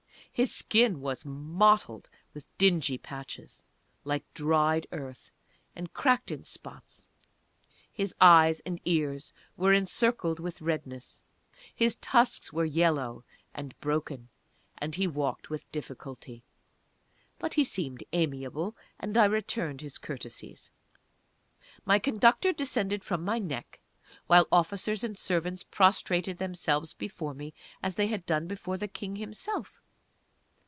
His skin was mottled with dingy patches, like dried earth, and cracked in spots; his eyes and ears were encircled with rednesses; his tusks were yellow and broken, and he walked with difficulty. But he seemed amiable, and I returned his courtesies. My conductor descended from my neck, while officers and servants prostrated themselves before me as they had done before the King himself.